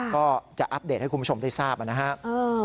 ก็จะอัปเดตให้คุณผู้ชมได้ทราบนะครับ